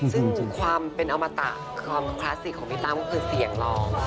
ซึ่งความเป็นอมตะความคลาสสิกของพี่ตั้มก็คือเสียงร้อง